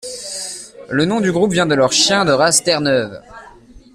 Le nom du groupe vient de leur chien de race Terre-Neuve.